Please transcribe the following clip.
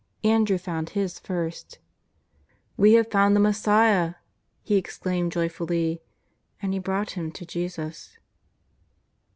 Andrew found his first: " We have found the Messiah !" he exclaimed joy fully. And he brought him to Jesus.